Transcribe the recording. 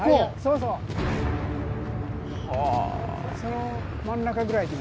その真ん中ぐらいでも。